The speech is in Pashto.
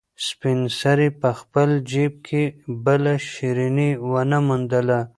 سپین سرې په خپل جېب کې بله شيرني ونه موندله.